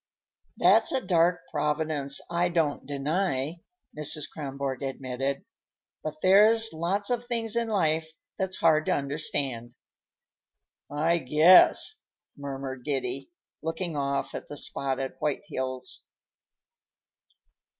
"That's a dark Providence, I don't deny," Mrs. Kronborg admitted. "But there's lots of things in life that's hard to understand." "I guess!" murmured Giddy, looking off at the spotted white hills.